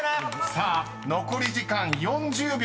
［さあ残り時間４０秒